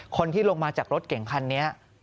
คนที่ลงมาจากรถเก่งคันนี้